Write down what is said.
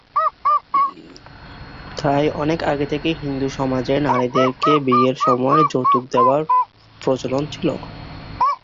তাই অনেক আগে থেকেই হিন্দু সমাজে নারীদেরকে বিয়ের সময়ে যৌতুক দেবার প্রচলন ছিল।